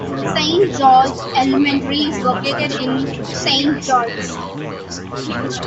Saint George Elementary is located in Saint George.